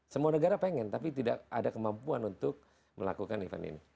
semua negara pengen tapi tidak ada kemampuan untuk melakukan event ini